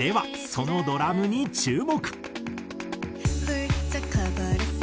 そのドラムに注目。